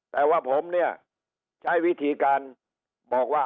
แต่ว่าผมเนี่ยใช้วิธีการบอกว่า